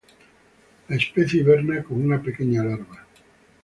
La especie hiberna como una pequeña larva.